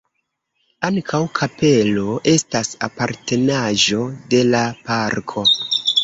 Ankaŭ kapelo estas apartenaĵo de la parko.